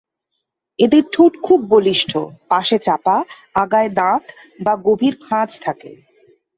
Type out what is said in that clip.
এদের ঠোঁট খুব বলিষ্ঠ, পাশে চাপা, আগায় 'দাঁত' বা গভীর খাঁজ থাকে।